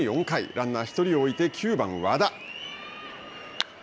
ランナー１人を置いて９番和田。